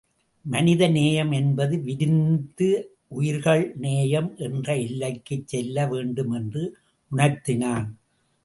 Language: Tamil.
மனித நேயம் என்பது விரிந்து உயிர்கள் நேயம் என்ற எல்லைக்குச் செல்ல வேண்டும் என்று உணர்த்தினான்.